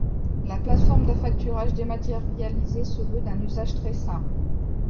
La plateforme d'affacturage dématérialisée se veut d'un usage très simple.